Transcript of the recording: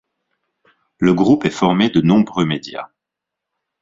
Le groupe est formé de nombreux médias.